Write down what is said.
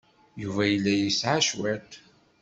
Yuba yella yesɛa cwiṭ.